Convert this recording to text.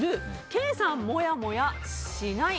ケイさん、もやもやしない。